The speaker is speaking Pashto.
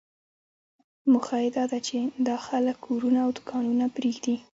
موخه یې داده چې دا خلک کورونه او دوکانونه پرېږدي.